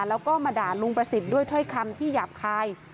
แล้วก็มาด่าลุงประสิทธิ์ด้วยถ้อยคำที่หยาบคาย